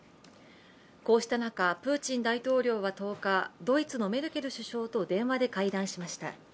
こうした中、プーチン大統領は１０日、ドイツのメルケル首相と電話で会談しました。